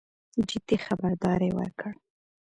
جدي خبرداری ورکړ.